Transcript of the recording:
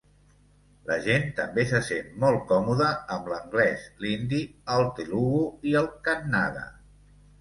La gent també se sent molt còmoda amb l'anglès, l'hindi, el telugu i el kannada.